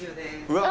うわ。